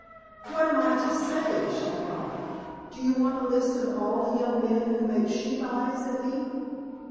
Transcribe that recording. "What am I to say?" she cried. "Do you want a list of all the young men who make sheep's eyes at me?"